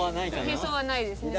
並走はないですね。